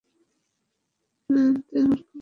এখানে আনতে আমায় খুব খারাপ করেছি।